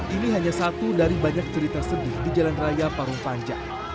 ini hanya satu dari banyak cerita sedih di jalan raya parung panjang